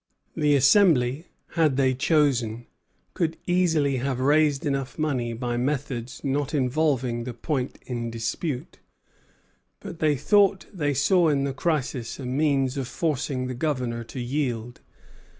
The Assembly, had they chosen, could easily have raised money enough by methods not involving the point in dispute; but they thought they saw in the crisis a means of forcing the Governor to yield.